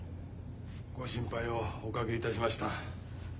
ご心配をおかけいたしました。